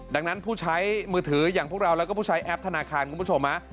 ดังนั้นผู้ใช้มือถืออย่างพวกเราแล้วก็ผู้ใช้แอปธนาคารคุณผู้ชม